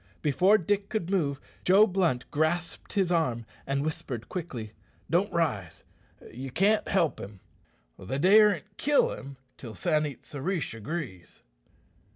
Before Dick could move, Joe Blunt grasped his arm, and whispered quickly, "Don't rise. You can't help him. They daren't kill him till San it sa rish agrees."